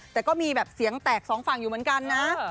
แต่ก็มีแบบเสียงแตกสองฝั่งอยู่เหมือนกันนะ